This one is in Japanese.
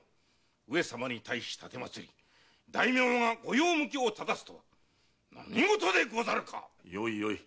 上様に対し奉り大名がご用向きを質すとは何事でござるか⁉よいよい。